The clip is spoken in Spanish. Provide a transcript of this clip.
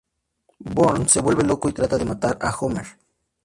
Burns se vuelve loco y trata de matar a Homer.